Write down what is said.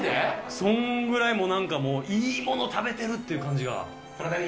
そんぐらいなんかもういいもの食べてるっていう感じが。